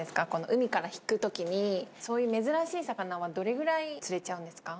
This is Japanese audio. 海から引くときにそういう珍しい魚はどれぐらい釣れちゃうんですか？